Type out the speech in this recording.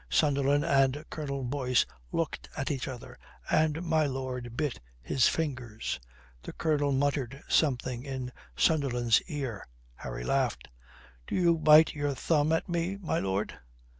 Sunderland and Colonel Boyce looked at each other, and my lord bit his fingers. The Colonel muttered something in Sunderland's ear. Harry laughed. "Do you bite your thumb at me, my lord?